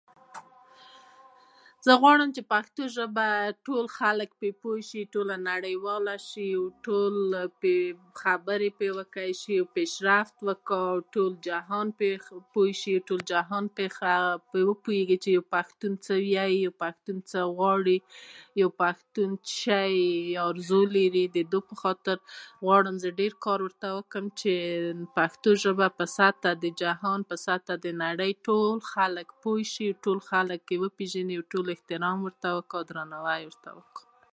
زه غواړم چې پښتو ژبه ټول خلک پري پوه شي ټوله نړۍ واله شي مممم ټول خبرې پري وکولای شي پیشرفت وکا ټول جهان پري و پوهیږي چې یو پښتون څه وايي پښتون څه غواړي یو پښتون څه شی آرزو لري ددې په خاطر زه غواړم ډیر کار ورته وشي پښتو ژبه په سطحه د جهان په سطحه د نړۍ ټول خلک پوه شي ټول خلک يې وپيژني ټول خلک احترام ورته وکړي درناوی ورته وکړي